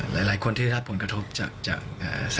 หลายหลายคนที่ได้ได้ผลกระทบจากจากอ่า